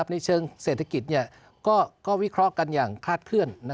ในเชิงเศรษฐกิจก็วิเคราะห์กันอย่างคลาดเคลื่อน